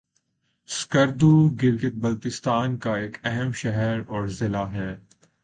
سکردو گلگت بلتستان کا ایک اہم شہر اور ضلع ہے